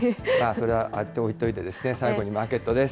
それは置いといて、最後にマーケットです。